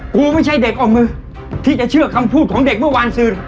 ไม่ใช่เด็กออกมือที่จะเชื่อคำพูดของเด็กเมื่อวานสื่อ